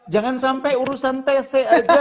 jangan sampai urusan tc aja